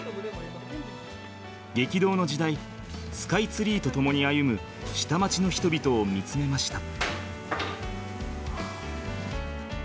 激動の時代スカイツリーとともに歩む下町の人々を見つめました。